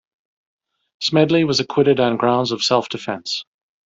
Smedley was acquitted on grounds of self-defence.